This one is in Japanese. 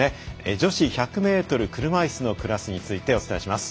女子１００ｍ車いすのクラスについてお伝えします。